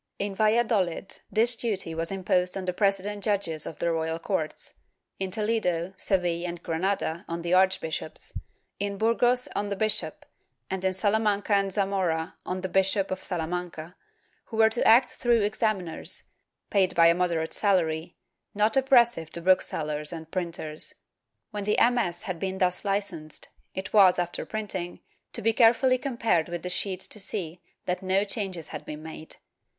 In ValladoUd this duty was imposed on the president judges of the royal courts; in Toledo, Seville and Granada on the archbishops, in Burgos on the bishop, and in Salamanca and Zamora on the Bishop of Salamanca, who were to act through examiners, paid by a mod erate salary, not oppressive to booksellers and printers. When a MS. had been thus hcensed, it was, after printing, to be carefully compared with the sheets to see that no changes had been made.